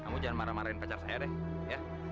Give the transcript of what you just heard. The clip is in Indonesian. kamu jangan marah marahin pacar saya deh ya